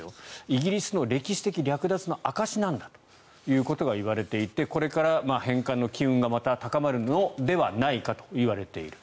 イギリスの歴史的略奪の証しなんだということがいわれていてこれから返還の機運がまた高まるのではないかと言われている。